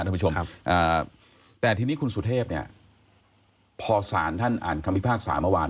ท่านผู้ชมครับแต่ทีนี้คุณสุเทพเนี่ยพอสารท่านอ่านคำพิพากษาเมื่อวาน